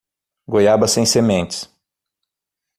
Goiaba sem sementes